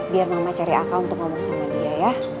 biar mama cari akal untuk ngomong sama dia ya